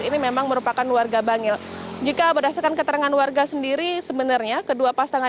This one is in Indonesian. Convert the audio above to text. ini memang merupakan warga bangil jika berdasarkan keterangan warga sendiri sebenarnya kedua pasangan